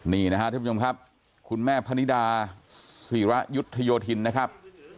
นี่นะฮะทุกผู้ชมครับคุณแม่พาณิดาศรีระยุทธโยธินนะครับ